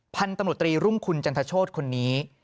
พันธุ์ตำรวจตรีรุ่งคุณจันทโชธคนนี้